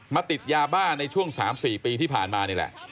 ติดยาบ้าในช่วง๓๔ปีที่ผ่านมานี่แหละ